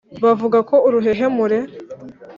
bavuga ko uruhehemure